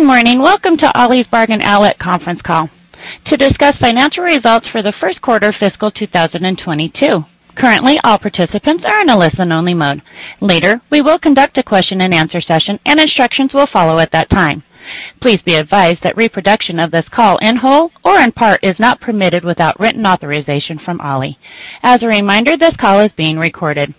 Good morning. Welcome to Ollie's Bargain Outlet Conference Call to discuss financial results for the first quarter fiscal 2022. Currently, all participants are in a listen-only mode. Later, we will conduct a question-and-answer session, and instructions will follow at that time. Please be advised that reproduction of this call in whole or in part is not permitted without written authorization from Ollie. As a reminder, this call is being recorded.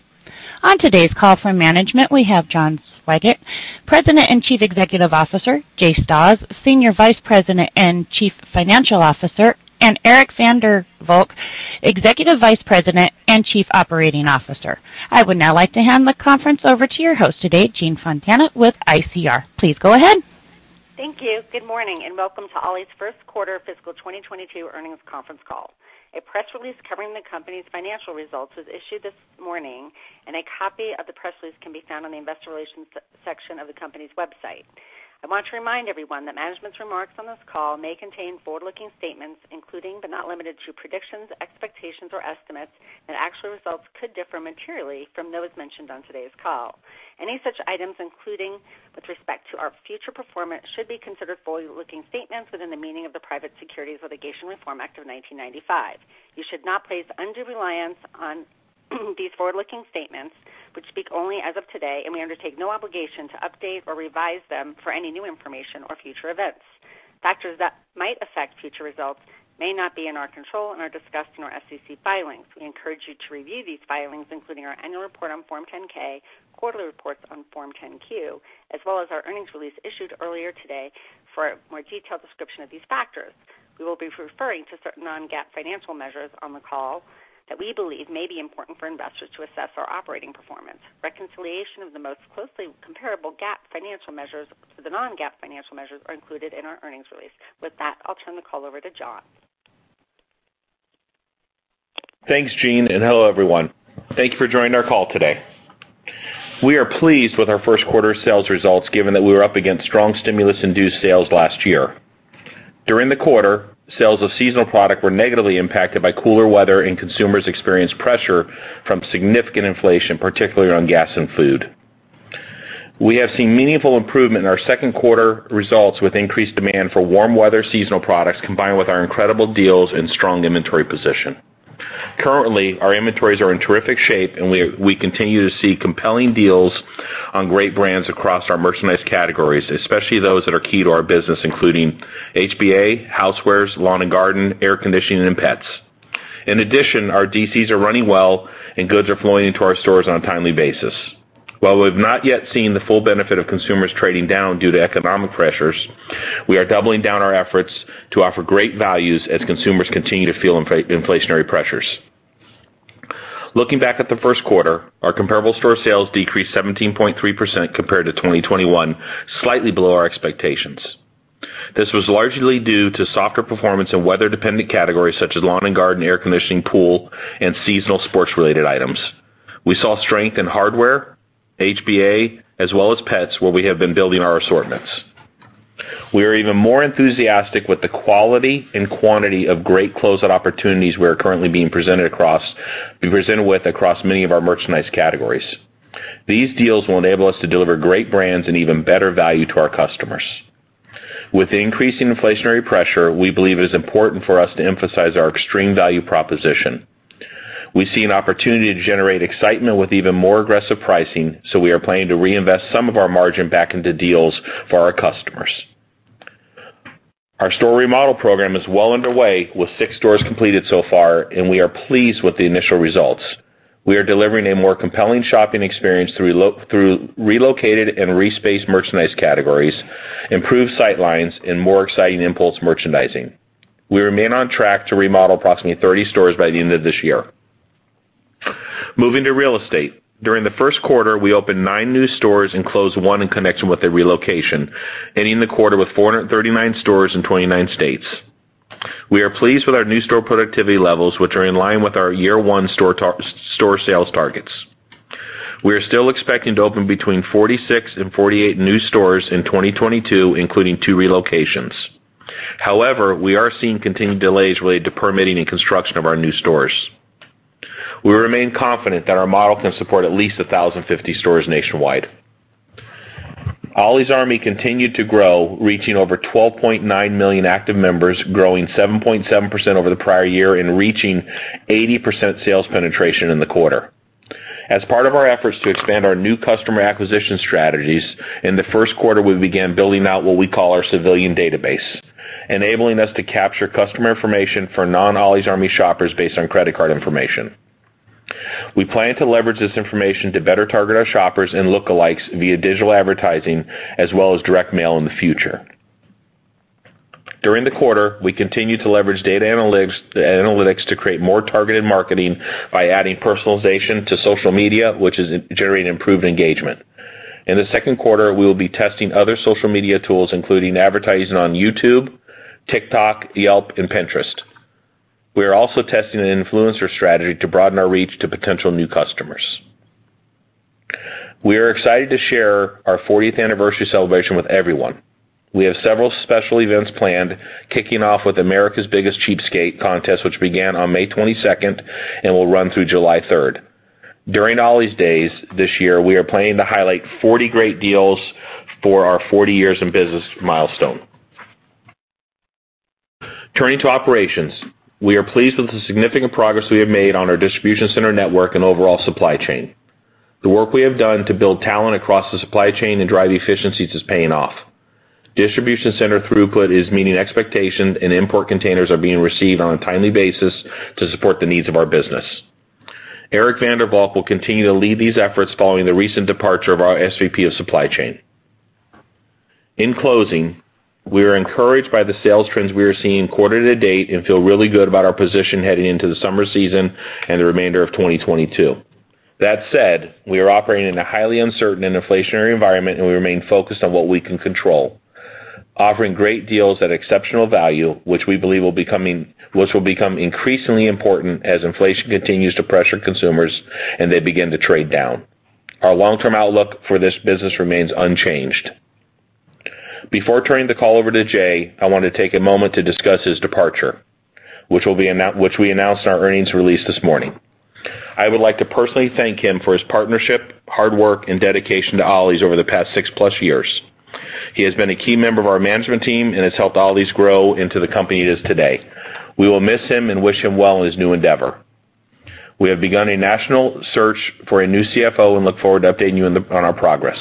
On today's call for management, we have John Swygert, President and Chief Executive Officer, Jay Stasz, Senior Vice President and Chief Financial Officer, and Eric van der Valk, Executive Vice President and Chief Operating Officer. I would now like to hand the conference over to your host today, Jean Fontana with ICR. Please go ahead. Thank you. Good morning and welcome to Ollie's First Quarter Fiscal 2022 Earnings Conference Call. A press release covering the company's financial results was issued this morning, and a copy of the press release can be found on the investor relations section of the company's website. I want to remind everyone that management's remarks on this call may contain forward-looking statements, including, but not limited to predictions, expectations, or estimates, and actual results could differ materially from those mentioned on today's call. Any such items, including with respect to our future performance, should be considered forward-looking statements within the meaning of the Private Securities Litigation Reform Act of 1995. You should not place undue reliance on these forward-looking statements which speak only as of today, and we undertake no obligation to update or revise them for any new information or future events. Factors that might affect future results may not be in our control and are discussed in our SEC filings. We encourage you to review these filings, including our annual report on Form 10-K, quarterly reports on Form 10-Q, as well as our earnings release issued earlier today for a more detailed description of these factors. We will be referring to certain non-GAAP financial measures on the call that we believe may be important for investors to assess our operating performance. Reconciliation of the most closely comparable GAAP financial measures to the non-GAAP financial measures are included in our earnings release. With that, I'll turn the call over to John. Thanks, Jean, and hello, everyone. Thank you for joining our call today. We are pleased with our first quarter sales results, given that we were up against strong stimulus-induced sales last year. During the quarter, sales of seasonal product were negatively impacted by cooler weather, and consumers experienced pressure from significant inflation, particularly on gas and food. We have seen meaningful improvement in our second quarter results with increased demand for warm weather seasonal products combined with our incredible deals and strong inventory position. Currently, our inventories are in terrific shape, and we continue to see compelling deals on great brands across our merchandise categories, especially those that are key to our business, including HBA, housewares, lawn and garden, air conditioning, and pets. In addition, our DCs are running well, and goods are flowing into our stores on a timely basis. While we've not yet seen the full benefit of consumers trading down due to economic pressures, we are doubling down our efforts to offer great values as consumers continue to feel inflationary pressures. Looking back at the first quarter, our comparable store sales decreased 17.3% compared to 2021, slightly below our expectations. This was largely due to softer performance in weather-dependent categories such as lawn and garden, air conditioning, pool, and seasonal sports-related items. We saw strength in hardware, HBA, as well as pets, where we have been building our assortments. We are even more enthusiastic with the quality and quantity of great closeout opportunities we are currently being presented with across many of our merchandise categories. These deals will enable us to deliver great brands and even better value to our customers. With the increasing inflationary pressure, we believe it is important for us to emphasize our extreme value proposition. We see an opportunity to generate excitement with even more aggressive pricing, so we are planning to reinvest some of our margin back into deals for our customers. Our store remodel program is well underway, with six stores completed so far, and we are pleased with the initial results. We are delivering a more compelling shopping experience through relocated and re-spaced merchandise categories, improved sight lines, and more exciting impulse merchandising. We remain on track to remodel approximately 30 stores by the end of this year. Moving to real estate. During the first quarter, we opened nine new stores and closed one in connection with the relocation, ending the quarter with 439 stores in 29 states. We are pleased with our new store productivity levels, which are in line with our year one store sales targets. We are still expecting to open between 46 and 48 new stores in 2022, including two relocations. However, we are seeing continued delays related to permitting and construction of our new stores. We remain confident that our model can support at least 1,050 stores nationwide. Ollie's Army continued to grow, reaching over 12.9 million active members, growing 7.7% over the prior year and reaching 80% sales penetration in the quarter. As part of our efforts to expand our new customer acquisition strategies, in the first quarter, we began building out what we call our civilian database, enabling us to capture customer information for non-Ollie's Army shoppers based on credit card information. We plan to leverage this information to better target our shoppers and lookalikes via digital advertising as well as direct mail in the future. During the quarter, we continued to leverage data analytics to create more targeted marketing by adding personalization to social media, which is generating improved engagement. In the second quarter, we will be testing other social media tools, including advertising on YouTube, TikTok, Yelp, and Pinterest. We are also testing an influencer strategy to broaden our reach to potential new customers. We are excited to share our 40th anniversary celebration with everyone. We have several special events planned, kicking off with America's Biggest Cheapskate contest, which began on May 22nd and will run through July third. During Ollie's Days this year, we are planning to highlight 40 great deals for our 40 years in business milestone. Turning to operations, we are pleased with the significant progress we have made on our distribution center network and overall supply chain. The work we have done to build talent across the supply chain and drive efficiencies is paying off. Distribution center throughput is meeting expectations and import containers are being received on a timely basis to support the needs of our business. Eric van der Valk will continue to lead these efforts following the recent departure of our SVP of supply chain. In closing, we are encouraged by the sales trends we are seeing quarter to date and feel really good about our position heading into the summer season and the remainder of 2022. That said, we are operating in a highly uncertain and inflationary environment, and we remain focused on what we can control. Offering great deals at exceptional value, which we believe will become increasingly important as inflation continues to pressure consumers and they begin to trade down. Our long-term outlook for this business remains unchanged. Before turning the call over to Jay, I want to take a moment to discuss his departure, which we announced in our earnings release this morning. I would like to personally thank him for his partnership, hard work, and dedication to Ollie's over the past six-plus years. He has been a key member of our management team and has helped Ollie's grow into the company it is today. We will miss him and wish him well in his new endeavor. We have begun a national search for a new CFO and look forward to updating you on our progress.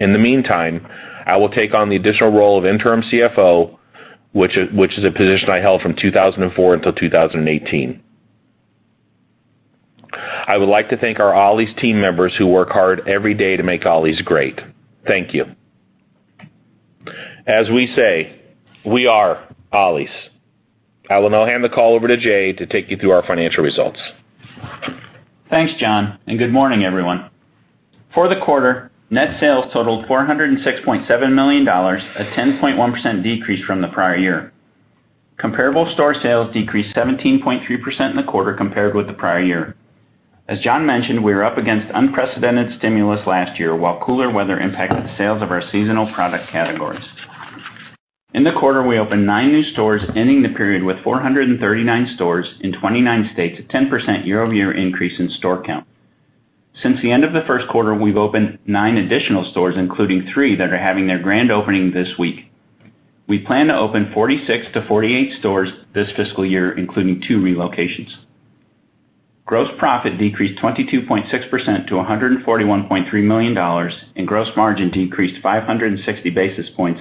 In the meantime, I will take on the additional role of interim CFO, which is a position I held from 2004 until 2018. I would like to thank our Ollie's team members who work hard every day to make Ollie's great. Thank you. As we say, we are Ollie's. I will now hand the call over to Jay to take you through our financial results. Thanks, John, and good morning, everyone. For the quarter, net sales totaled $406.7 million, a 10.1% decrease from the prior year. Comparable store sales decreased 17.3% in the quarter compared with the prior year. As John mentioned, we were up against unprecedented stimulus last year while cooler weather impacted the sales of our seasonal product categories. In the quarter, we opened nine new stores, ending the period with 439 stores in 29 states, a 10% year-over-year increase in store count. Since the end of the first quarter, we've opened nine additional stores, including three that are having their grand opening this week. We plan to open 46-48 stores this fiscal year, including two relocations. Gross profit decreased 22.6% to $141.3 million, and gross margin decreased 560 basis points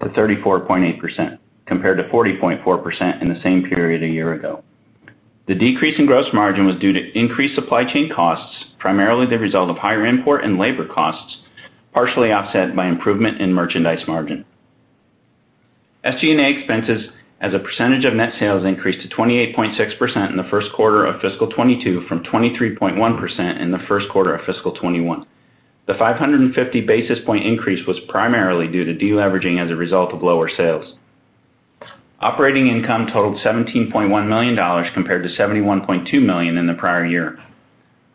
to 34.8% compared to 40.4% in the same period a year ago. The decrease in gross margin was due to increased supply chain costs, primarily the result of higher import and labor costs, partially offset by improvement in merchandise margin. SG&A expenses as a percentage of net sales increased to 28.6% in the first quarter of fiscal 2022 from 23.1% in the first quarter of fiscal 2021. The 550 basis point increase was primarily due to deleveraging as a result of lower sales. Operating income totaled $17.1 million compared to $71.2 million in the prior year.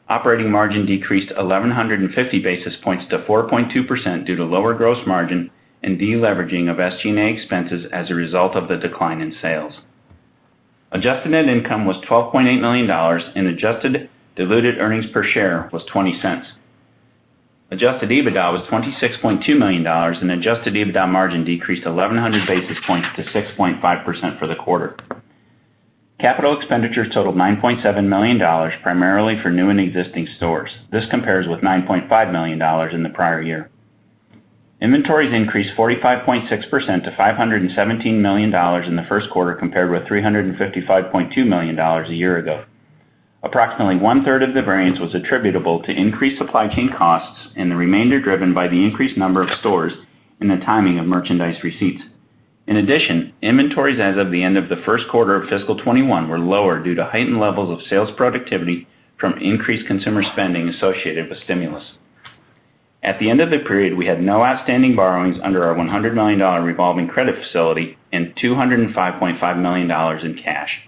Operating margin decreased 1,150 basis points to 4.2% due to lower gross margin and deleveraging of SG&A expenses as a result of the decline in sales. Adjusted net income was $12.8 million and adjusted diluted earnings per share was $0.20. Adjusted EBITDA was $26.2 million and adjusted EBITDA margin decreased 1,100 basis points to 6.5% for the quarter. Capital expenditures totaled $9.7 million, primarily for new and existing stores. This compares with $9.5 million in the prior year. Inventories increased 45.6% to $517 million in the first quarter, compared with $355.2 million a year ago. Approximately 1/3 of the variance was attributable to increased supply chain costs and the remainder driven by the increased number of stores and the timing of merchandise receipts. In addition, inventories as of the end of the first quarter of fiscal 2021 were lower due to heightened levels of sales productivity from increased consumer spending associated with stimulus. At the end of the period, we had no outstanding borrowings under our $100 million revolving credit facility and $205.5 million in cash.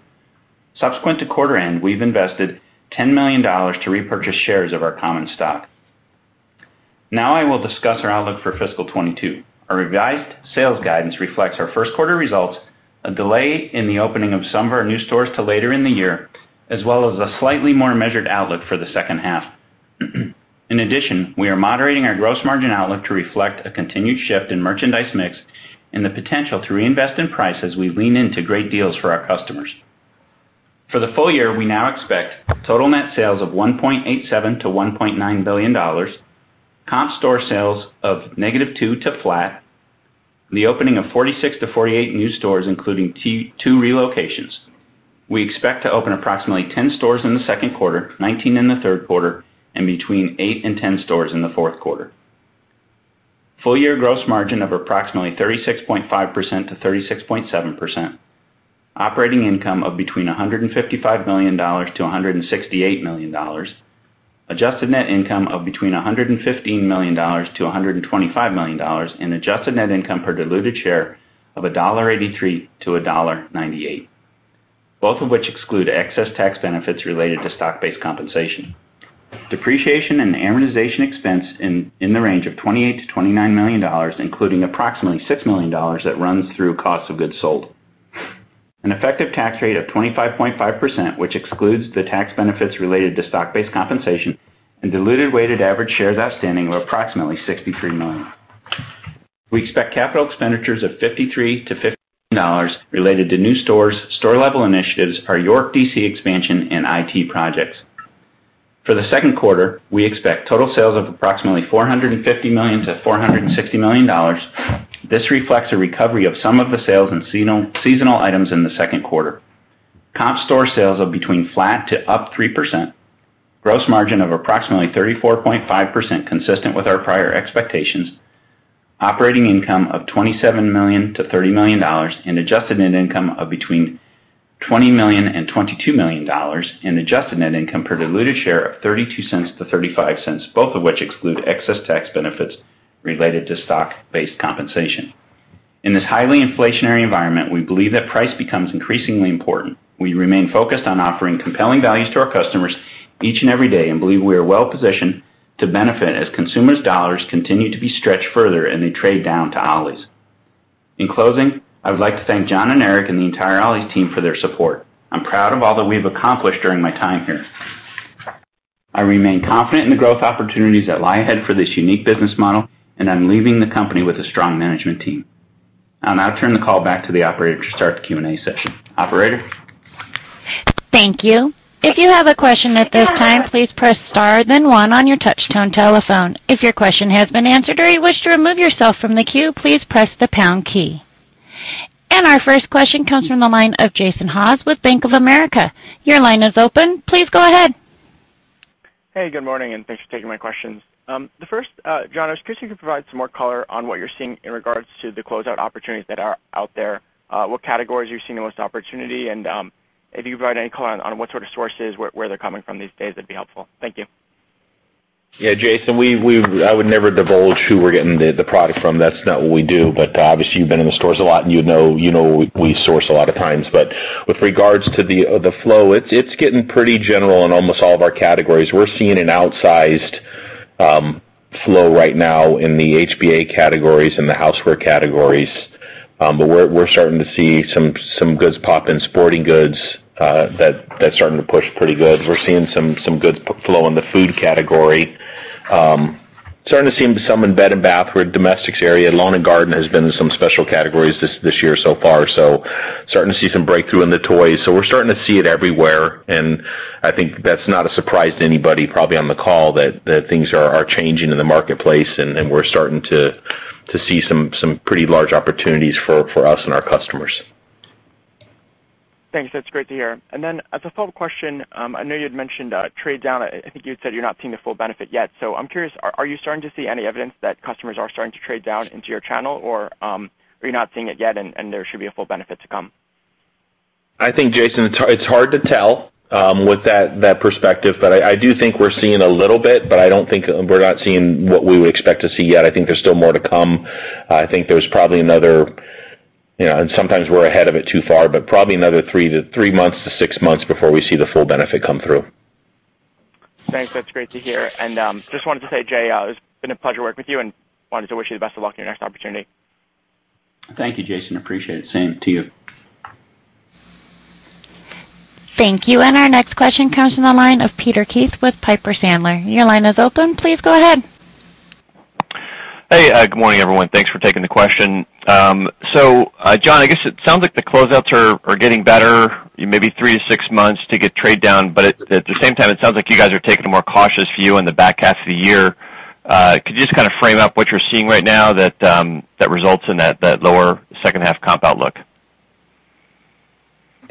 Subsequent to quarter end, we've invested $10 million to repurchase shares of our common stock. Now I will discuss our outlook for fiscal 2022. Our revised sales guidance reflects our first quarter results, a delay in the opening of some of our new stores to later in the year, as well as a slightly more measured outlook for the second half. In addition, we are moderating our gross margin outlook to reflect a continued shift in merchandise mix and the potential to reinvest in price as we lean into great deals for our customers. For the full year, we now expect total net sales of $1.87 billion-$1.9 billion, comp store sales of -2% to flat, the opening of 46-48 new stores, including two relocations. We expect to open approximately 10 stores in the second quarter, 19 in the third quarter and between eight and 10 stores in the fourth quarter. Full year gross margin of approximately 36.5%-36.7%. Operating income of between $155 million-$168 million. Adjusted net income of between $115 million-$125 million. Adjusted net income per diluted share of $1.83-$1.98, both of which exclude excess tax benefits related to stock-based compensation. Depreciation and amortization expense in the range of $28 million-$29 million, including approximately $6 million that runs through cost of goods sold. An effective tax rate of 25.5%, which excludes the tax benefits related to stock-based compensation and diluted weighted average shares outstanding of approximately $63 million. We expect capital expenditures of $50 million-$53 million related to new stores, store level initiatives, our York DC expansion and IT projects. For the second quarter, we expect total sales of approximately $450 million-$460 million. This reflects a recovery of some of the sales and non-seasonal items in the second quarter. Comp store sales of between flat to up 3%. Gross margin of approximately 34.5% consistent with our prior expectations. Operating income of $27 million-$30 million and adjusted net income of between $20 million and $22 million, and adjusted net income per diluted share of $0.32-$0.35, both of which exclude excess tax benefits related to stock-based compensation. In this highly inflationary environment, we believe that price becomes increasingly important. We remain focused on offering compelling value to our customers each and every day and believe we are well-positioned to benefit as consumers' dollars continue to be stretched further and they trade down to Ollie's. In closing, I would like to thank John and Eric and the entire Ollie's team for their support. I'm proud of all that we've accomplished during my time here. I remain confident in the growth opportunities that lie ahead for this unique business model, and I'm leaving the company with a strong management team. I'll now turn the call back to the operator to start the Q&A session. Operator? Thank you. If you have a question at this time, please press star then one on your touch tone telephone. If your question has been answered or you wish to remove yourself from the queue, please press the pound key. Our first question comes from the line of Jason Haas with Bank of America. Your line is open. Please go ahead. Hey, good morning, and thanks for taking my questions. The first, John, I was curious if you could provide some more color on what you're seeing in regards to the closeout opportunities that are out there, what categories you're seeing the most opportunity, and, if you could provide any color on what sort of sources, where they're coming from these days, that'd be helpful. Thank you. Yeah, Jason, I would never divulge who we're getting the product from. That's not what we do. Obviously, you've been in the stores a lot and you'd know, you know we source a lot of times. With regards to the flow, it's getting pretty general in almost all of our categories. We're seeing an outsized flow right now in the HBA categories and the housewares categories. We're starting to see some goods pop in sporting goods, that's starting to push pretty good. We're seeing some goods flow in the food category. Starting to see some in bed and bath or domestics area. Lawn and garden has been in some special categories this year so far, so starting to see some breakthrough in the toys. We're starting to see it everywhere, and I think that's not a surprise to anybody probably on the call that things are changing in the marketplace and we're starting to see some pretty large opportunities for us and our customers. Thanks. That's great to hear. As a follow-up question, I know you'd mentioned trade down. I think you had said you're not seeing the full benefit yet. I'm curious, are you starting to see any evidence that customers are starting to trade down into your channel? Or, are you not seeing it yet and there should be a full benefit to come? I think, Jason, it's hard to tell with that perspective, but I do think we're seeing a little bit, but I don't think we're not seeing what we would expect to see yet. I think there's still more to come. I think there's probably another, you know, and sometimes we're ahead of it too far, but probably another three-six months before we see the full benefit come through. Thanks. That's great to hear. Just wanted to say, Jay, it's been a pleasure working with you and wanted to wish you the best of luck in your next opportunity. Thank you, Jason. Appreciate it. Same to you. Thank you. Our next question comes from the line of Peter Keith with Piper Sandler. Your line is open. Please go ahead. Hey, good morning, everyone. Thanks for taking the question. John, I guess it sounds like the closeouts are getting better, maybe three-six months to get trade down. At the same time, it sounds like you guys are taking a more cautious view in the back half of the year. Could you just kind of frame up what you're seeing right now that results in that lower second half comp outlook?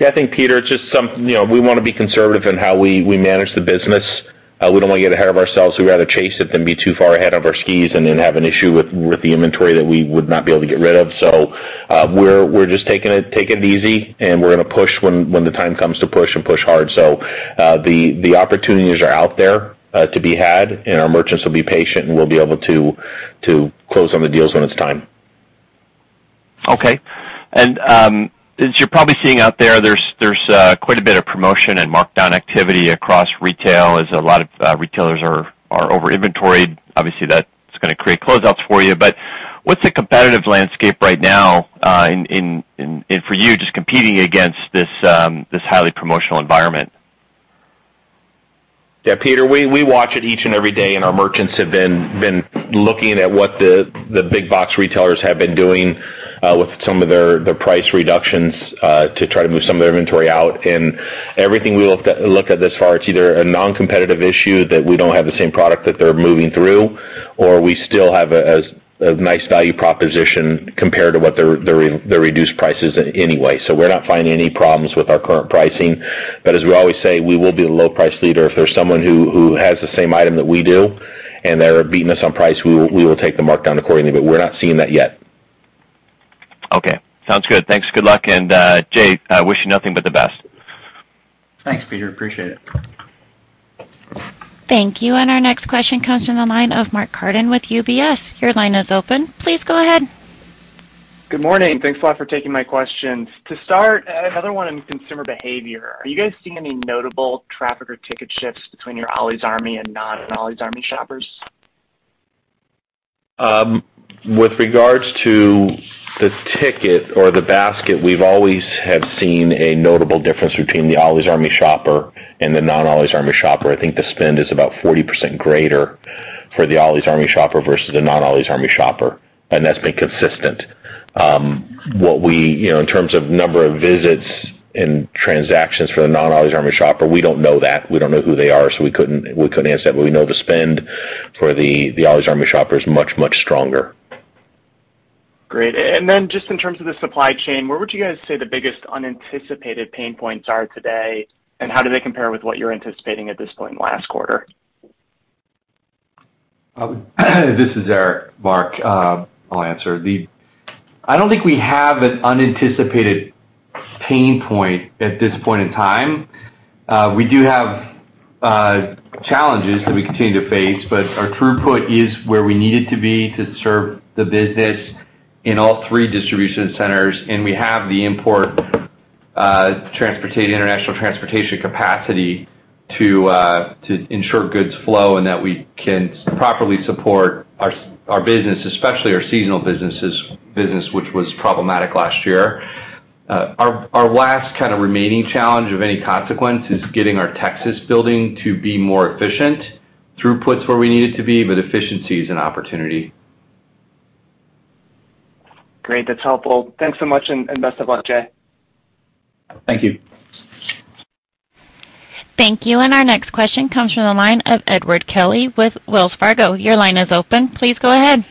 Yeah, I think, Peter, it's just some, you know, we wanna be conservative in how we manage the business. We don't wanna get ahead of ourselves. We'd rather chase it than be too far ahead of our skis and then have an issue with the inventory that we would not be able to get rid of. We're just taking it easy, and we're gonna push when the time comes to push and push hard. The opportunities are out there to be had, and our merchants will be patient, and we'll be able to close on the deals when it's time. Okay. As you're probably seeing out there's quite a bit of promotion and markdown activity across retail, as a lot of retailers are over inventoried. Obviously, that's gonna create closeouts for you. What's the competitive landscape right now for you just competing against this highly promotional environment? Yeah, Peter, we watch it each and every day, and our merchants have been looking at what the big box retailers have been doing with some of their price reductions to try to move some of their inventory out. Everything we look at thus far, it's either a non-competitive issue that we don't have the same product that they're moving through, or we still have a nice value proposition compared to what their reduced price is anyway. We're not finding any problems with our current pricing. As we always say, we will be the low price leader. If there's someone who has the same item that we do and they're beating us on price, we will take the markdown accordingly, but we're not seeing that yet. Okay. Sounds good. Thanks. Good luck. Jay, I wish you nothing but the best. Thanks, Peter. Appreciate it. Thank you. Our next question comes from the line of Mark Carden with UBS. Your line is open. Please go ahead. Good morning. Thanks a lot for taking my questions. To start, another one in consumer behavior. Are you guys seeing any notable traffic or ticket shifts between your Ollie's Army and non-Ollie's Army shoppers? With regards to the ticket or the basket, we've always have seen a notable difference between the Ollie's Army shopper and the non-Ollie's Army shopper. I think the spend is about 40% greater for the Ollie's Army shopper versus the non-Ollie's Army shopper, and that's been consistent. What we, you know, in terms of number of visits and transactions for the non-Ollie's Army shopper, we don't know that. We don't know who they are, so we couldn't answer that. We know the spend for the Ollie's Army shopper is much, much stronger. Great. Just in terms of the supply chain, where would you guys say the biggest unanticipated pain points are today, and how do they compare with what you're anticipating at this point last quarter? This is Eric, Mark. I'll answer. I don't think we have an unanticipated pain point at this point in time. We do have challenges that we continue to face, but our throughput is where we need it to be to serve the business in all three distribution centers, and we have the import international transportation capacity to ensure goods flow and that we can properly support our business, especially our seasonal business, which was problematic last year. Our last kind of remaining challenge of any consequence is getting our Texas building to be more efficient. Throughput's where we need it to be, but efficiency is an opportunity. Great. That's helpful. Thanks so much, and best of luck, Jay. Thank you. Thank you. Our next question comes from the line of Edward Kelly with Wells Fargo. Your line is open. Please go ahead.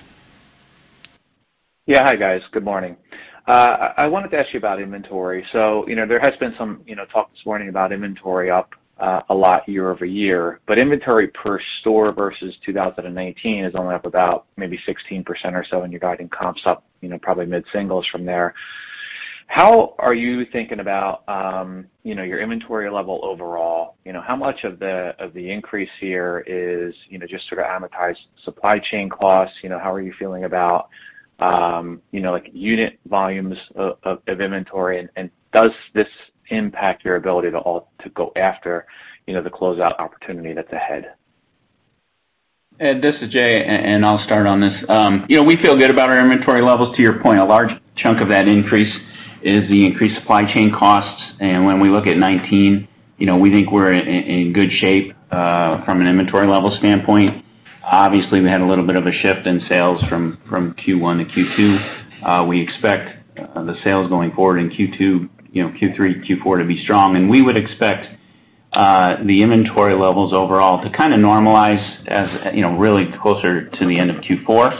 Yeah. Hi, guys. Good morning. I wanted to ask you about inventory. You know, there has been some, you know, talk this morning about inventory up a lot year over year. But inventory per store versus 2019 is only up about maybe 16% or so, and you're guiding comps up, you know, probably mid-singles from there. How are you thinking about, you know, your inventory level overall? You know, how much of the increase here is, you know, just sort of amortized supply chain costs? You know, how are you feeling about, you know, like, unit volumes of inventory, and does this impact your ability to go after, you know, the closeout opportunity that's ahead? Ed, this is Jay, and I'll start on this. You know, we feel good about our inventory levels. To your point, a large chunk of that increase is the increased supply chain costs. When we look at 2019, you know, we think we're in good shape from an inventory level standpoint. Obviously, we had a little bit of a shift in sales from Q1-Q2. We expect the sales going forward in Q2, you know, Q3, Q4 to be strong. We would expect the inventory levels overall to kinda normalize as, you know, really closer to the end of Q4,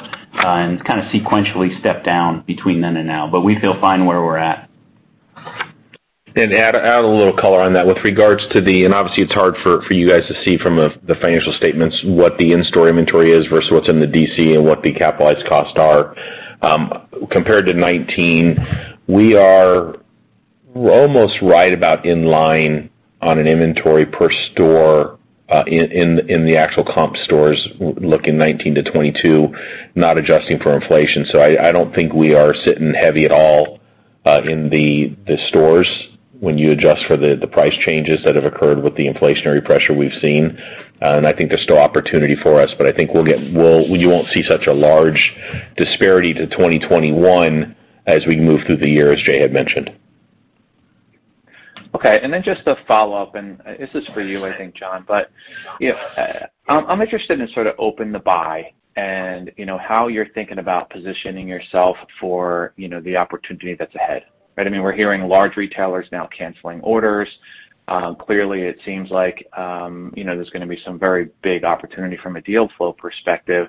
and kinda sequentially step down between then and now. We feel fine where we're at. Add a little color on that. With regards to the Obviously, it's hard for you guys to see from the financial statements what the in-store inventory is versus what's in the DC and what the capitalized costs are. Compared to 2019, we are almost right about in line on an inventory per store, in the actual comp stores looking 2019-2022, not adjusting for inflation. I don't think we are sitting heavy at all, in the stores when you adjust for the price changes that have occurred with the inflationary pressure we've seen. I think there's still opportunity for us, but I think you won't see such a large disparity to 2021 as we move through the year, as Jay had mentioned. Okay. Then just a follow-up, and this is for you, I think, John. You know, I'm interested in sort of open to buy and, you know, how you're thinking about positioning yourself for, you know, the opportunity that's ahead, right? I mean, we're hearing large retailers now canceling orders. Clearly it seems like, you know, there's gonna be some very big opportunity from a deal flow perspective.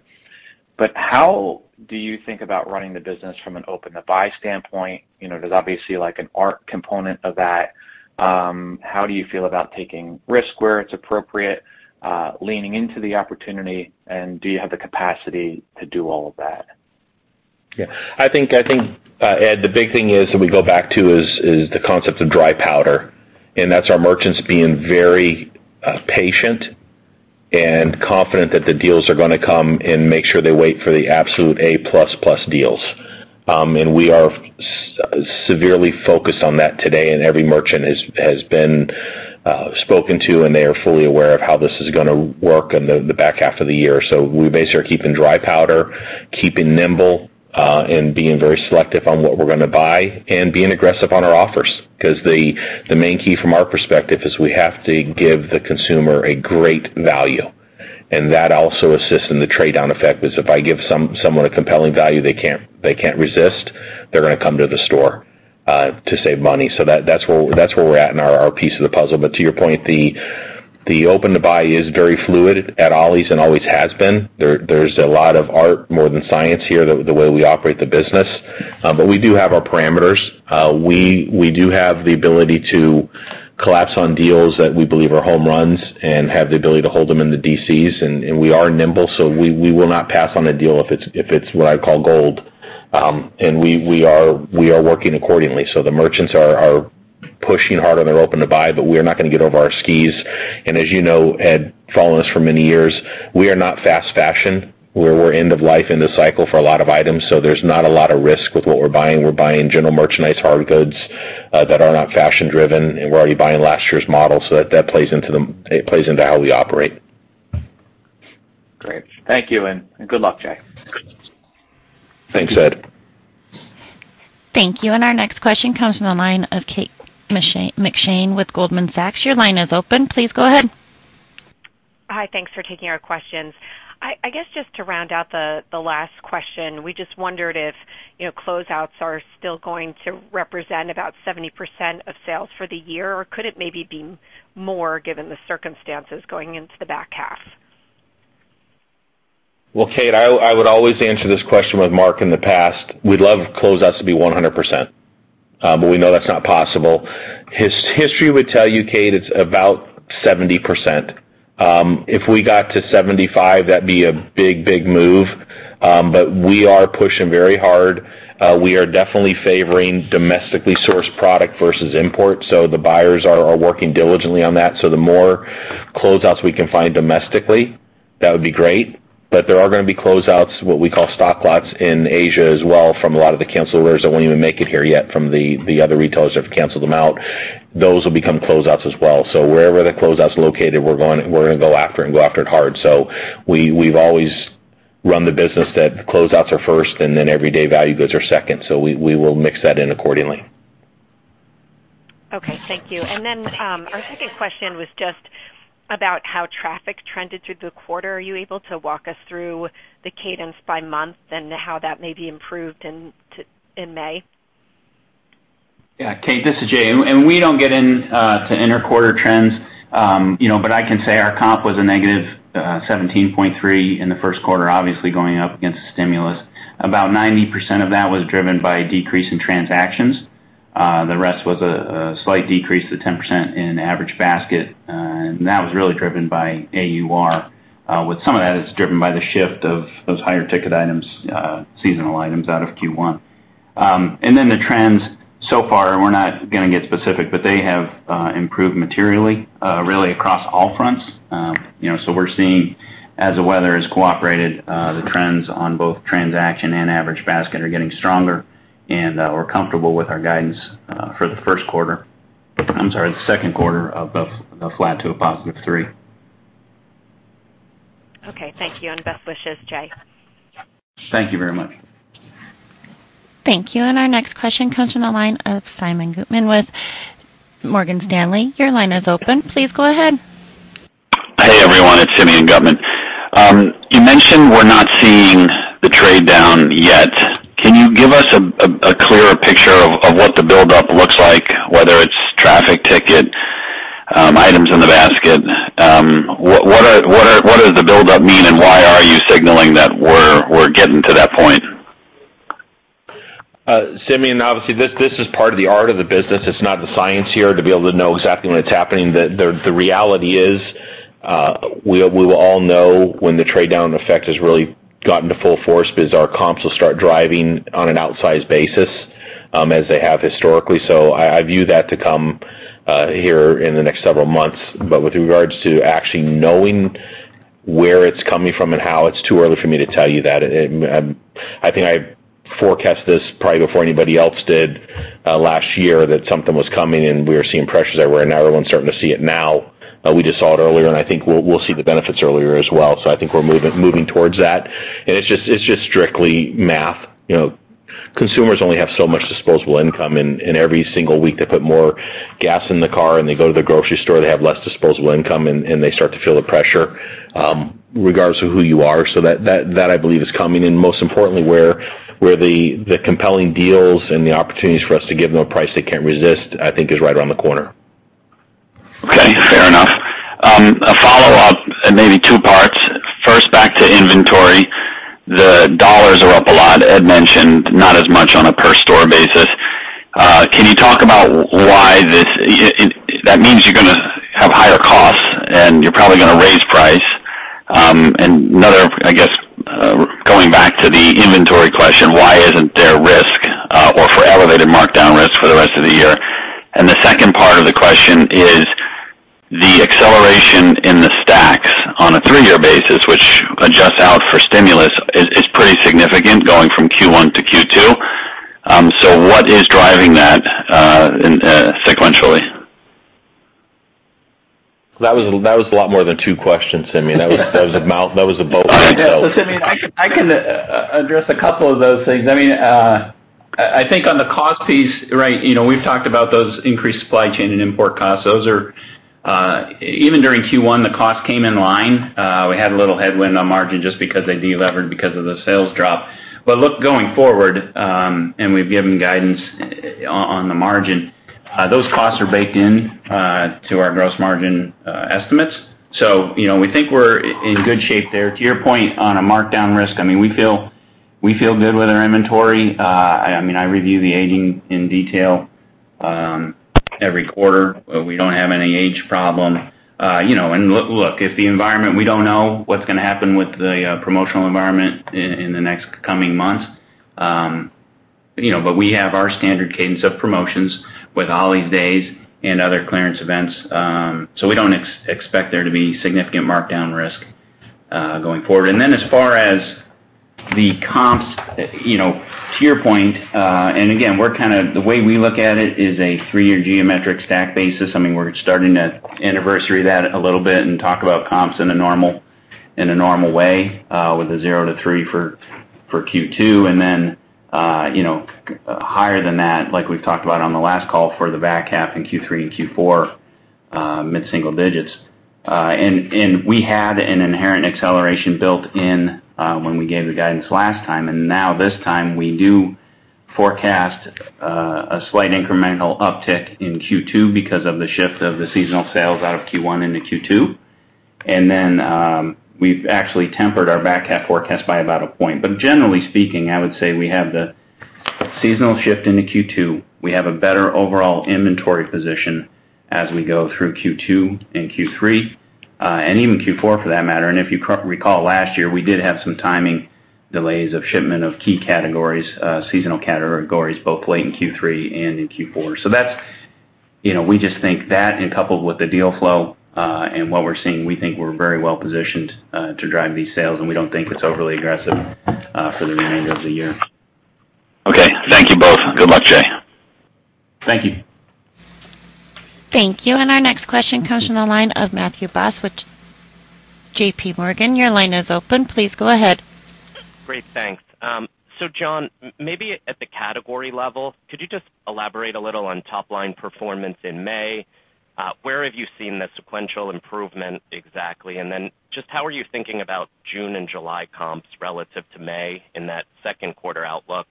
How do you think about running the business from an open to buy standpoint? You know, there's obviously like an AUR component of that. How do you feel about taking risk where it's appropriate, leaning into the opportunity, and do you have the capacity to do all of that? Yeah. I think, Ed, the big thing is that we go back to the concept of dry powder, and that's our merchants being very patient and confident that the deals are gonna come and make sure they wait for the absolute A plus plus deals. We are severely focused on that today, and every merchant has been spoken to, and they are fully aware of how this is gonna work in the back half of the year. We basically are keeping dry powder, keeping nimble, and being very selective on what we're gonna buy and being aggressive on our offers. 'Cause the main key from our perspective is we have to give the consumer a great value, and that also assists in the trade down effect, because if I give someone a compelling value they can't resist, they're gonna come to the store to save money. That's where we're at in our piece of the puzzle. To your point, the Open to Buy is very fluid at Ollie's and always has been. There's a lot more art than science here, the way we operate the business. We do have our parameters. We do have the ability to collapse on deals that we believe are home runs and have the ability to hold them in the DCs. We are nimble, so we will not pass on a deal if it's what I call gold. We are working accordingly. The merchants are pushing hard on their Open to Buy, but we are not gonna get over our skis. As you know, Ed, following us for many years, we are not fast fashion where we're end of life in the cycle for a lot of items, so there's not a lot of risk with what we're buying. We're buying general merchandise, hard goods, that are not fashion driven, and we're already buying last year's model, so that plays into how we operate. Great. Thank you, and good luck, Jay. Thanks, Ed. Thank you. Our next question comes from the line of Kate McShane with Goldman Sachs. Your line is open. Please go ahead. Hi. Thanks for taking our questions. I guess, just to round out the last question, we just wondered if, you know, closeouts are still going to represent about 70% of sales for the year, or could it maybe be more given the circumstances going into the back half? Kate, I would always answer this question with Mark in the past. We'd love closeouts to be 100%, but we know that's not possible. History would tell you, Kate, it's about 70%. If we got to 75%, that'd be a big, big move. But we are pushing very hard. We are definitely favoring domestically sourced product versus import, so the buyers are working diligently on that. The more closeouts we can find domestically, that would be great. But there are gonna be closeouts, what we call stock lots in Asia as well, from a lot of the cancel orders that won't even make it here yet from the other retailers have canceled them out. Those will become closeouts as well. Wherever the closeout's located, we're gonna go after it and go after it hard. We've always run the business that closeouts are first and then everyday value goods are second. We will mix that in accordingly. Okay. Thank you. Our second question was just about how traffic trended through the quarter. Are you able to walk us through the cadence by month and how that may be improved in May? Yeah. Kate, this is Jay. We don't get into intra-quarter trends, but I can say our comp was a -17.3% in the first quarter, obviously going up against the stimulus. About 90% of that was driven by a decrease in transactions. The rest was a slight decrease to 10% in average basket, and that was really driven by AUR, with some of that is driven by the shift of those higher-ticket items, seasonal items out of Q1. Then the trends so far, and we're not gonna get specific, but they have improved materially, really across all fronts. You know, we're seeing, as the weather has cooperated, the trends on both transaction and average basket are getting stronger, and we're comfortable with our guidance for the first quarter. I'm sorry, the second quarter of flat to +3%. Okay. Thank you. Best wishes, Jay. Thank you very much. Thank you. Our next question comes from the line of Simeon Gutman with Morgan Stanley. Your line is open. Please go ahead. Hey, everyone. It's Simeon Gutman. You mentioned we're not seeing the trade down yet. Can you give us a clearer picture of what the buildup looks like, whether it's traffic, ticket items in the basket? What does the buildup mean, and why are you signaling that we're getting to that point? Simeon, obviously, this is part of the art of the business. It's not the science here to be able to know exactly when it's happening. The reality is, we will all know when the trade down effect has really gotten to full force because our comps will start driving on an outsized basis, as they have historically. I view that to come here in the next several months. But with regards to actually knowing where it's coming from and how, it's too early for me to tell you that. I think I forecast this probably before anybody else did last year, that something was coming and we were seeing pressures everywhere, and now everyone's starting to see it now. We just saw it earlier, and I think we'll see the benefits earlier as well. I think we're moving towards that. It's just strictly math. You know, consumers only have so much disposable income, and every single week they put more gas in the car and they go to the grocery store, they have less disposable income and they start to feel the pressure, regardless of who you are. That I believe is coming. Most importantly, where the compelling deals and the opportunities for us to give them a price they can't resist, I think is right around the corner. Okay. Fair enough. A follow-up, maybe two parts. First, back to inventory. The dollars are up a lot. Ed mentioned not as much on a per store basis. Can you talk about that means you're gonna have higher costs and you're probably gonna raise price. Another, I guess, going back to the inventory question, why isn't there risk of elevated markdown risk for the rest of the year? The second part of the question is the acceleration in the stacks on a three-year basis, which adjusts out for stimulus is pretty significant going from Q1-Q2. What is driving that sequentially? That was a lot more than two questions, Simeon. That was a boat by itself. Simeon, I can address a couple of those things. I mean, I think on the cost piece, right, you know, we've talked about those increased supply chain and import costs. Those are even during Q1, the cost came in line. We had a little headwind on margin just because they delevered because of the sales drop. Look, going forward, and we've given guidance on the margin, those costs are baked in to our gross margin estimates. You know, we think we're in good shape there. To your point on a markdown risk, I mean, we feel good with our inventory. I mean, I review the aging in detail every quarter. We don't have any aging problem. You know, look, if the environment. We don't know what's gonna happen with the promotional environment in the next coming months. You know, but we have our standard cadence of promotions with Ollie's Days and other clearance events. We don't expect there to be significant markdown risk going forward. As far as the comps, you know, to your point, and again, the way we look at it is a three-year geometric stack basis. I mean, we're starting to anniversary that a little bit and talk about comps in a normal way with a zero-three for Q2. You know, higher than that, like we've talked about on the last call for the back half in Q3 and Q4, mid-single digits. We had an inherent acceleration built in when we gave the guidance last time. Now this time, we do forecast a slight incremental uptick in Q2 because of the shift of the seasonal sales out of Q1 into Q2. We've actually tempered our back half forecast by about a point. Generally speaking, I would say we have the seasonal shift into Q2. We have a better overall inventory position as we go through Q2 and Q3, and even Q4 for that matter. If you recall last year, we did have some timing delays of shipment of key categories, seasonal categories, both late in Q3 and in Q4. That's. You know, we just think that and coupled with the deal flow, and what we're seeing, we think we're very well positioned to drive these sales, and we don't think it's overly aggressive for the remainder of the year. Okay, thank you both. Good luck, Jay. Thank you. Thank you. Our next question comes from the line of Matthew Boss with JPMorgan. Your line is open. Please go ahead. Great. Thanks. John, maybe at the category level, could you just elaborate a little on top line performance in May? Where have you seen the sequential improvement exactly? How are you thinking about June and July comps relative to May in that second quarter outlook?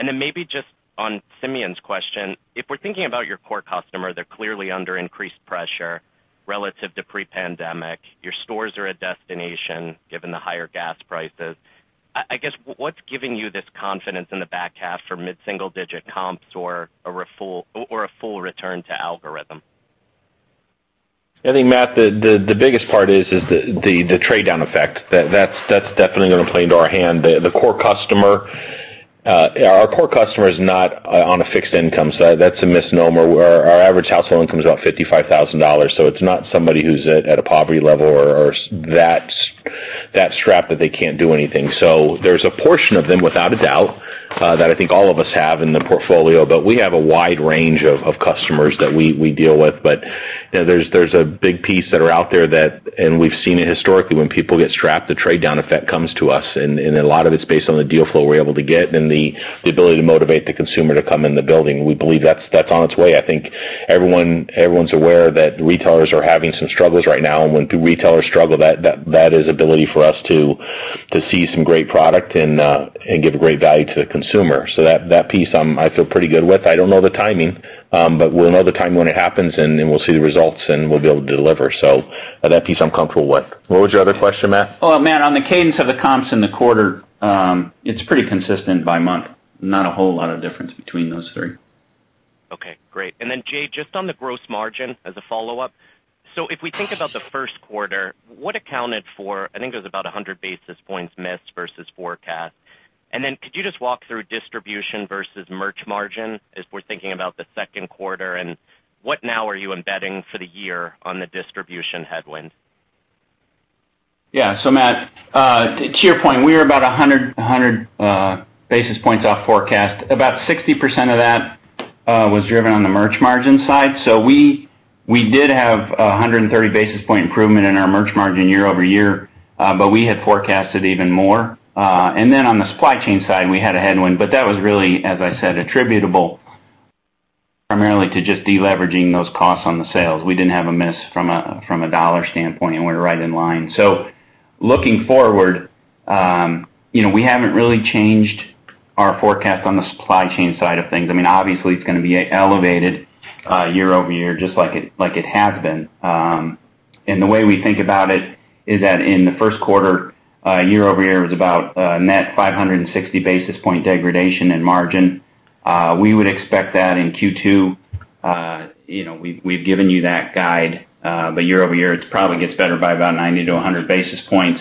Maybe just on Simeon's question, if we're thinking about your core customer, they're clearly under increased pressure relative to pre-pandemic. Your stores are a destination given the higher gas prices. I guess what's giving you this confidence in the back half for mid-single digit comps or a full return to algorithm? I think, Matt, the biggest part is the trade down effect. That's definitely gonna play into our hand. The core customer, our core customer is not on a fixed income. That's a misnomer. Our average household income is about $55,000. It's not somebody who's at a poverty level or that's that strapped that they can't do anything. There's a portion of them, without a doubt, that I think all of us have in the portfolio, but we have a wide range of customers that we deal with. You know, there's a big piece that are out there that, and we've seen it historically, when people get strapped, the trade down effect comes to us. A lot of it's based on the deal flow we're able to get and the ability to motivate the consumer to come in the building. We believe that's on its way. I think everyone's aware that retailers are having some struggles right now. When retailers struggle, that is ability for us to see some great product and give a great value to the consumer. That piece I feel pretty good with. I don't know the timing, but we'll know the timing when it happens, and then we'll see the results, and we'll be able to deliver. That piece I'm comfortable with. What was your other question, Matt? On the cadence of the comps in the quarter, it's pretty consistent by month. Not a whole lot of difference between those three. Okay, great. Jay, just on the gross margin as a follow-up. If we think about the first quarter, what accounted for, I think it was about 100 basis points missed versus forecast. Could you just walk through distribution versus merch margin as we're thinking about the second quarter, and what now are you embedding for the year on the distribution headwind? Yeah. So Matt, to your point, we are about 100 basis points off forecast. About 60% of that was driven on the merch margin side. We did have 130 basis points improvement in our merch margin year-over-year, but we had forecasted even more. Then on the supply chain side, we had a headwind, but that was really, as I said, attributable primarily to just deleveraging those costs on the sales. We didn't have a miss from a dollar standpoint, and we're right in line. Looking forward, you know, we haven't really changed our forecast on the supply chain side of things. I mean, obviously it's gonna be elevated year-over-year just like it has been. The way we think about it is that in the first quarter, year-over-year was about a net 560 basis point degradation in margin. We would expect that in Q2. You know, we've given you that guide, but year-over-year, it probably gets better by about 90 basis points-100 basis points.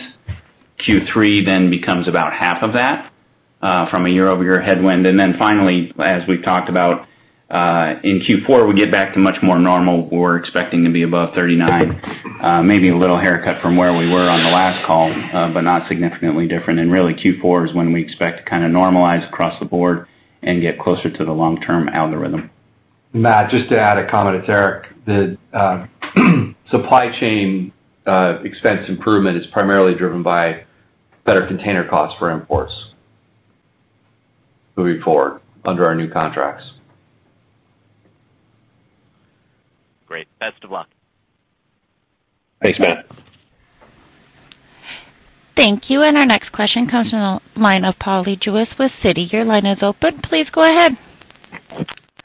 Q3 then becomes about half of that, from a year-over-year headwind. Then finally, as we've talked about, in Q4, we get back to much more normal. We're expecting to be above 39, maybe a little haircut from where we were on the last call, but not significantly different. Really, Q4 is when we expect to kinda normalize across the board and get closer to the long-term algorithm. Matt, just to add a comment to Eric. The supply chain expense improvement is primarily driven by better container costs for imports moving forward under our new contracts. Great. Best of luck. Thanks, Matt. Thank you. Our next question comes from the line of Paul Lejuez with Citi. Your line is open. Please go ahead.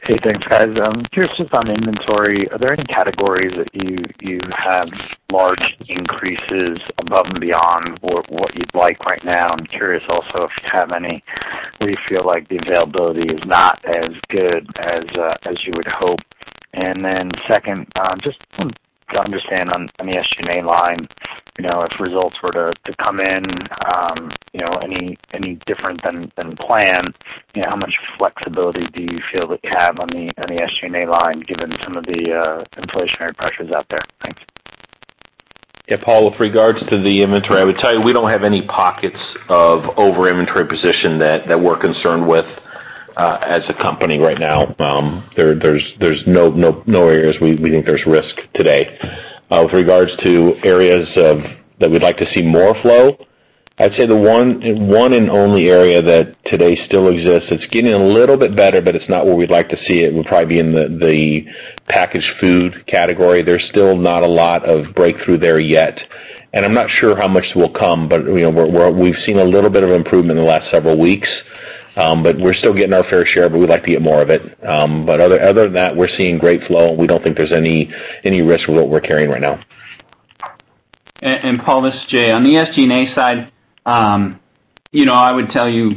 Hey, thanks, guys. Curious just on inventory, are there any categories that you have large increases above and beyond or what you'd like right now? I'm curious also if you have any where you feel like the availability is not as good as you would hope. Second, just to understand on the SG&A line, you know, if results were to come in, you know, any different than planned, you know, how much flexibility do you feel that you have on the SG&A line given some of the inflationary pressures out there? Thanks. Yeah, Paul, with regards to the inventory, I would tell you, we don't have any pockets of over-inventory position that we're concerned with as a company right now. There's no areas we think there's risk today. With regards to areas that we'd like to see more flow, I'd say the one and only area that today still exists, it's getting a little bit better, but it's not where we'd like to see it, would probably be in the packaged food category. There's still not a lot of breakthroughs there yet, and I'm not sure how much will come. You know, we've seen a little bit of improvement in the last several weeks, but we're still getting our fair share, but we'd like to get more of it. Other than that, we're seeing great flow. We don't think there's any risk with what we're carrying right now. Paul, this is Jay. On the SG&A side, you know, I would tell you,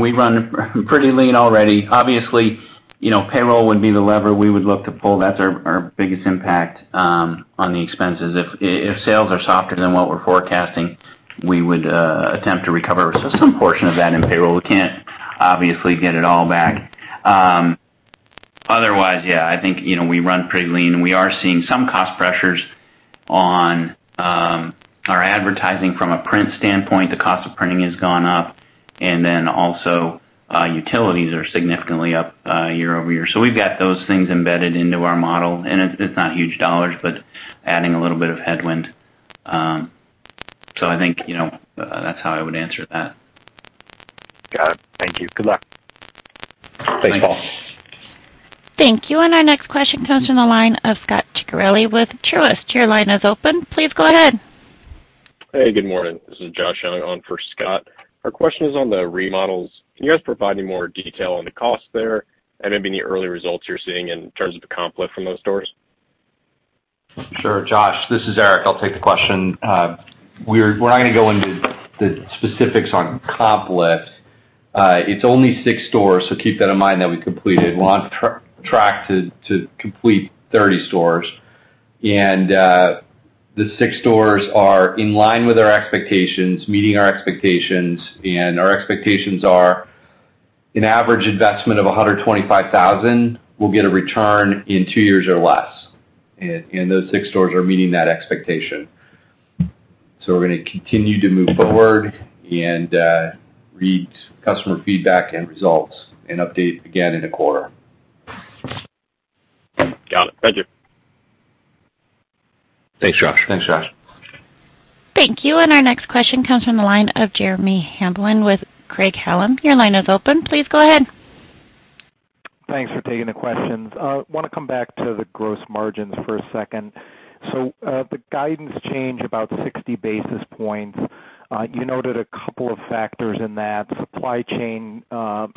we run pretty lean already. Obviously, you know, payroll would be the lever we would look to pull. That's our biggest impact on the expenses. If sales are softer than what we're forecasting, we would attempt to recover some portion of that in payroll. We can't obviously get it all back. Otherwise, yeah. I think, you know, we run pretty lean. We are seeing some cost pressures on our advertising from a print standpoint, the cost of printing has gone up, and then also, utilities are significantly up year-over-year. So, we've got those things embedded into our model, and it's not huge dollars, but adding a little bit of headwind. So, I think, you know, that's how I would answer that. Got it. Thank you. Good luck. Thanks, Paul. Thanks. Thank you. Our next question comes from the line of Scot Ciccarelli with Truist. Your line is open. Please go ahead. Hey, good morning. This is Josh Young on for Scot. Our question is on the remodels. Can you guys provide any more detail on the costs there and maybe any early results you're seeing in terms of the comp lift from those stores? Sure, Josh. This is Eric. I'll take the question. We're not gonna go into the specifics on comp lift. It's only six stores, so keep that in mind, that we completed. We're on track to complete 30 stores. The six stores are in line with our expectations, meeting our expectations, and our expectations are an average investment of $125,000 will get a return in two years or less. Those six stores are meeting that expectation. We're gonna continue to move forward and read customer feedback and results and update again in a quarter. Got it. Thank you. Thanks, Josh. Thanks, Josh. Thank you. Our next question comes from the line of Jeremy Hamblin with Craig-Hallum. Your line is open. Please go ahead. Thanks for taking the questions. Wanna come back to the gross margins for a second. So, the guidance change about 60 basis points, you noted a couple of factors in that. Supply chain,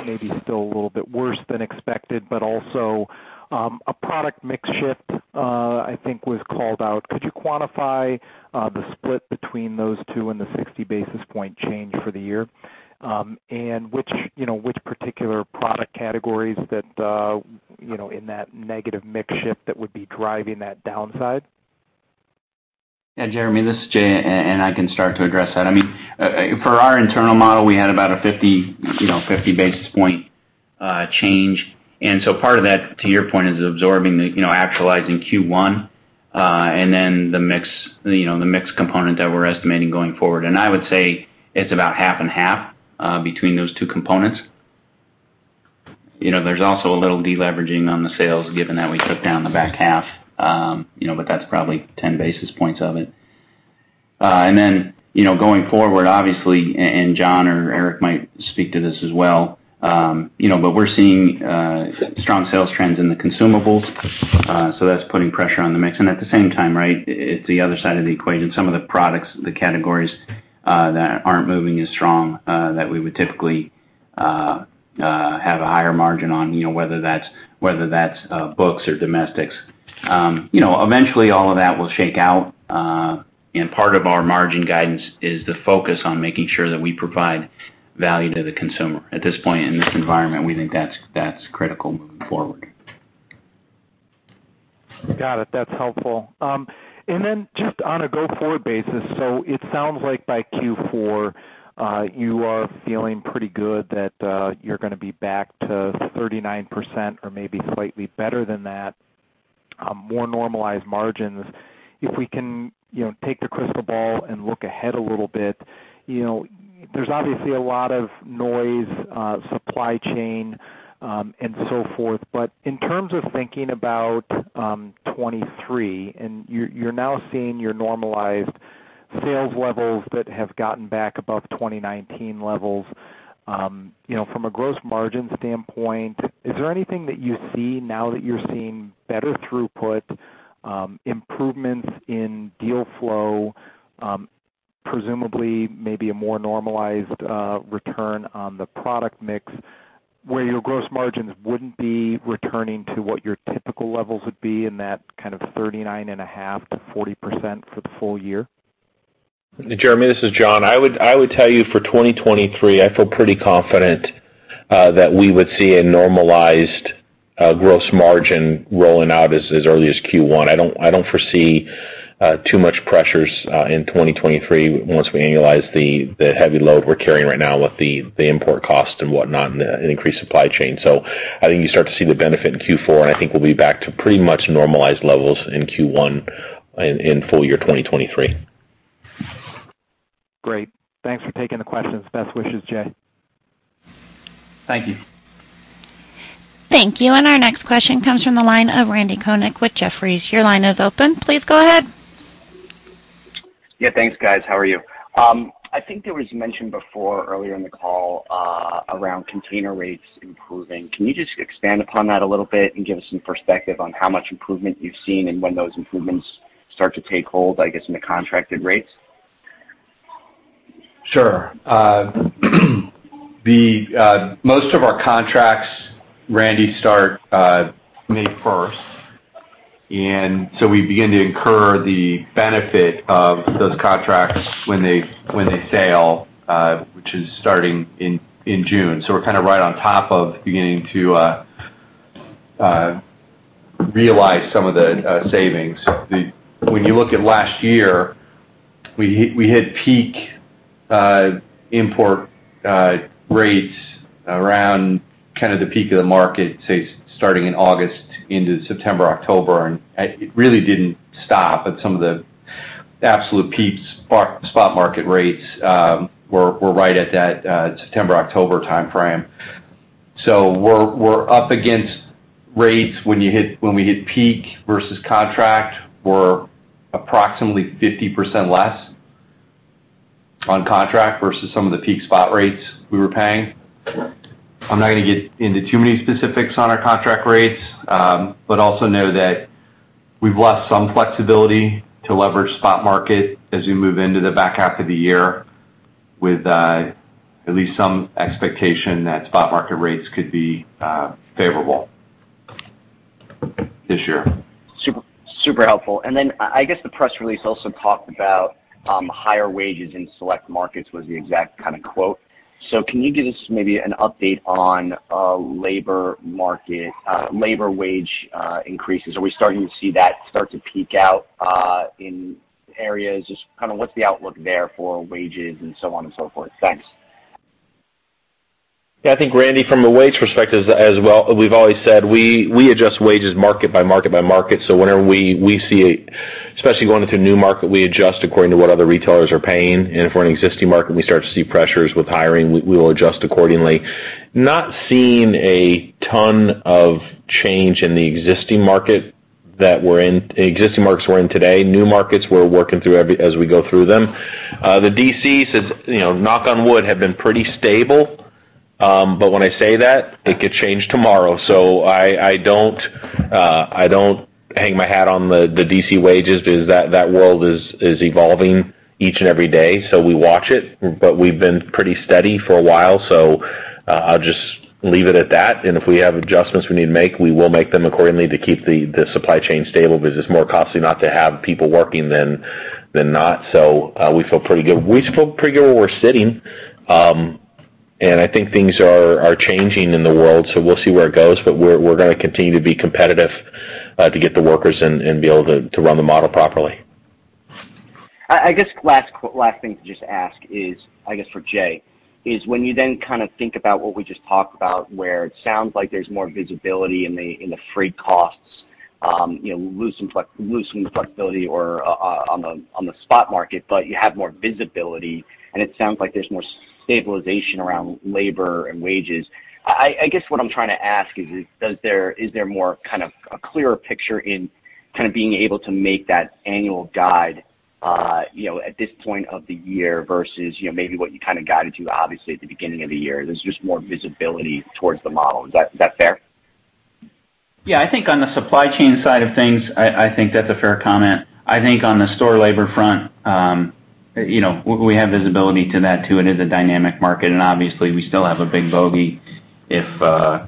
maybe still a little bit worse than expected, but also, a product mix shift, I think was called out. Could you quantify, the split between those two and the 60 basis point change for the year? And which, you know, which particular product categories that, you know, in that negative mix shift that would be driving that downside? Yeah, Jeremy, this is Jay, and I can start to address that. I mean, for our internal model, we had about a 50, you know, 50 basis points change. Part of that, to your point, is absorbing the, you know, actualizing Q1 and then the mix, you know, the mix component that we're estimating going forward. I would say it's about half and half between those two components. You know, there's also a little deleveraging on the sales, given that we took down the back half, you know, but that's probably 10 basis points of it. Then, you know, going forward, obviously, and John Swygert or Eric van der Valk might speak to this as well, you know, but we're seeing strong sales trends in the consumables, so that's putting pressure on the mix. At the same time, right, it's the other side of the equation. Some of the products, the categories, that aren't moving as strong, that we would typically have a higher margin on, you know, whether that's books or domestics. You know, eventually all of that will shake out. Part of our margin guidance is the focus on making sure that we provide value to the consumer. At this point in this environment, we think that's critical moving forward. Got it. That's helpful. Just on a go-forward basis, so it sounds like by Q4, you are feeling pretty good that you're gonna be back to 39% or maybe slightly better than that, more normalized margins. If we can, you know, take the crystal ball and look ahead a little bit, you know, there's obviously a lot of noise, supply chain, and so forth, but in terms of thinking about 2023, and you're now seeing your normalized sales levels that have gotten back above the 2019 levels, you know, from a gross margin standpoint, is there anything that you see now that you're seeing better throughput, improvements in deal flow, presumably maybe a more normalized return on the product mix where your gross margins wouldn't be returning to what your typical levels would be in that kind of 39.5%-40% for the full year? Jeremy, this is John. I would tell you for 2023, I feel pretty confident that we would see a normalized gross margin rolling out as early as Q1. I don't foresee too much pressures in 2023 once we annualize the heavy load we're carrying right now with the import cost and whatnot and the increased supply chain. I think you start to see the benefit in Q4, and I think we'll be back to pretty much normalized levels in Q1 in full year 2023. Great. Thanks for taking the questions. Best wishes, Jay. Thank you. Thank you. Our next question comes from the line of Randal Konik with Jefferies. Your line is open. Please go ahead. Yeah, thanks, guys. How are you? I think there was mention before, earlier in the call, around container rates improving. Can you just expand upon that a little bit and give us some perspective on how much improvement you've seen and when those improvements start to take hold, I guess, in the contracted rates? Sure. The most of our contracts, Randy, start May first. We begin to incur the benefit of those contracts when they sail, which is starting in June. We're kinda right on top of beginning to realize some of the savings. When you look at last year, we hit peak import rates around kinda the peak of the market, say, starting in August into September, October. It really didn't stop. At some of the absolute peaks, spot market rates were right at that September-October timeframe. We're up against rates when we hit peak versus contract. We're approximately 50% less on contract versus some of the peak spot rates we were paying. I'm not gonna get into too many specifics on our contract rates, but also know that we've lost some flexibility to leverage spot market as we move into the back half of the year with at least some expectation that spot market rates could be favorable this year. Super, super helpful. Then I guess the press release also talked about higher wages in select markets was the exact kinda quote. Can you give us maybe an update on labor market, labor wage increases? Are we starting to see that start to peak out in areas? Just kinda what's the outlook there for wages and so on and so forth? Thanks. Yeah, I think, Randy, from the wage perspective as well, we've always said we adjust wages market by market by market. So whenever we see, especially going into a new market, we adjust according to what other retailers are paying. If we're an existing market and we start to see pressures with hiring, we will adjust accordingly. Not seeing a ton of change in the existing market that we're in, existing markets we're in today. New markets, we're working through as we go through them. The DCs, you know, knock on wood, have been pretty stable. When I say that, it could change tomorrow. I don't hang my hat on the DC wages because that world is evolving each and every day. We watch it, but we've been pretty steady for a while, so I'll just leave it at that. If we have adjustments we need to make, we will make them accordingly to keep the supply chain stable because it's more costly not to have people working than not. We feel pretty good. We feel pretty good where we're sitting. I think things are changing in the world, so we'll see where it goes. We're gonna continue to be competitive to get the workers and be able to run the model properly. I guess last thing to just ask is, I guess, for Jay, is when you then kinda think about what we just talked about, where it sounds like there's more visibility in the freight costs, you know, losing flexibility or on the spot market, but you have more visibility, and it sounds like there's more stabilization around labor and wages. I guess what I'm trying to ask is there more kind of a clearer picture in kinda being able to make that annual guide, you know, at this point of the year versus, you know, maybe what you kinda guided to obviously at the beginning of the year? There's just more visibility towards the model. Is that fair? Yeah. I think on the supply chain side of things, I think that's a fair comment. I think on the store labor front, you know, we have visibility to that, too, and it is a dynamic market. Obviously, we still have a big bogey if,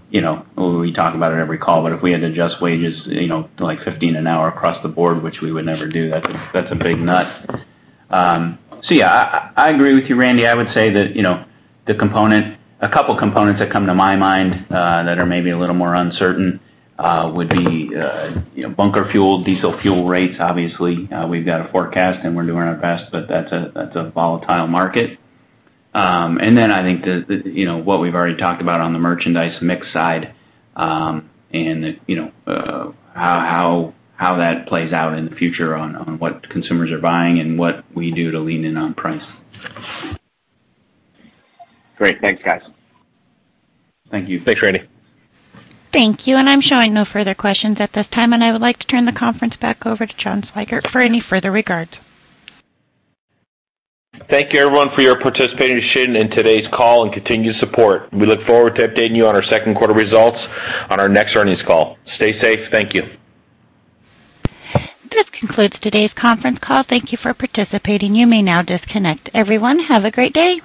you know, we talk about it every call, but if we had to adjust wages, you know, to like $15 an hour across the board, which we would never do, that's a big nut. Yeah, I agree with you, Randy. I would say that, you know, a couple components that come to my mind that are maybe a little more uncertain would be, you know, bunker fuel, diesel fuel rates, obviously. We've got a forecast, and we're doing our best, but that's a volatile market. I think the you know what we've already talked about on the merchandise mix side, and you know how that plays out in the future on what consumers are buying and what we do to lean in on price. Great. Thanks, guys. Thank you. Thanks, Randal. Thank you. I'm showing no further questions at this time, and I would like to turn the conference back over to John Swygert for any further regards. Thank you, everyone, for your participation in today's call and continued support. We look forward to updating you on our second quarter results on our next earnings call. Stay safe. Thank you. This concludes today's conference call. Thank you for participating. You may now disconnect. Everyone, have a great day.